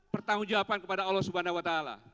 pertanggung jawaban kepada allah swt